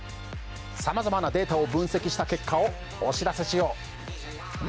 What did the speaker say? さまざまなデータを分析した結果をお知らせしよう。